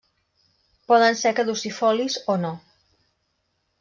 Poden ser caducifolis o no.